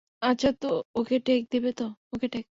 আচ্ছা তো ওকে টেক দিবে তো, - ওকে টেক।